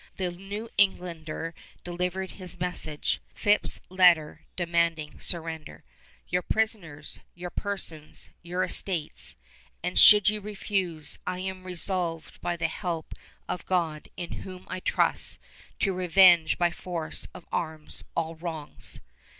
The New Englander delivered his message, Phips' letter demanding surrender: "_Your prisoners, your persons, your estates ... and should you refuse, I am resolved by the help of God, in whom I trust, to revenge by force of arms all our wrongs_."